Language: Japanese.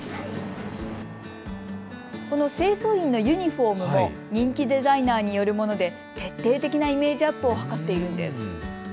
この清掃員のユニフォームも人気デザイナーによるもので徹底的なイメージアップを図っているんです。